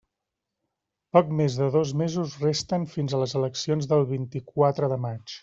Poc més de dos mesos resten fins a les eleccions del vint-i-quatre de maig.